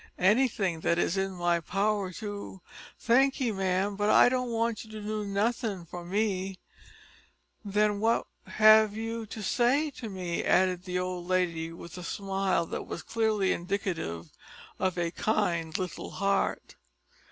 anything that is in my power to " "Thankee, ma'am, but I don't want you to do nothin' for me." "Then what have you to say to me?" added the old lady with a little smile that was clearly indicative of a kind little heart.